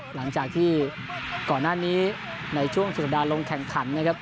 หลังจากที่ก่อนหน้านี้ในช่วงสถาบันดาลลงแข่งขัน